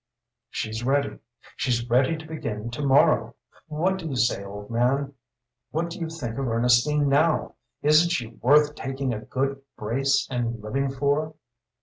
She's ready. She's ready to begin to morrow. What do you say, old man? What do you think of Ernestine now? Isn't she worth taking a good brace and living for?"